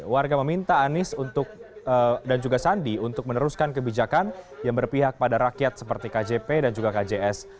warga meminta anies dan juga sandi untuk meneruskan kebijakan yang berpihak pada rakyat seperti kjp dan juga kjs